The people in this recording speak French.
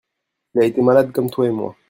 Il a été malade comme toi et moi.